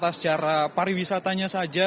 jakarta secara pariwisatanya saja